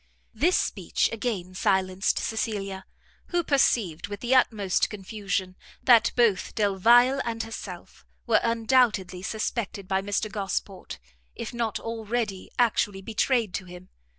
This speech again silenced Cecilia, who perceived, with the utmost confusion, that both Delvile and herself were undoubtedly suspected by Mr Gosport, if not already actually betrayed to him.